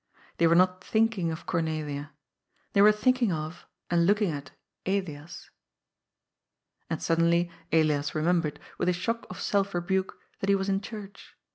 They were not thinking of Cor nelia. They were thinking of, and looking at, Elias. And suddenly Elias remembered, with a shock of self rebuke, that he was in church.